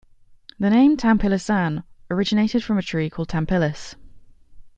The name Tampilisan originated from a tree called "Tampilis".